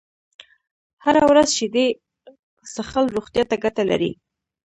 هره ورځ شيدې څښل روغتيا ته گټه لري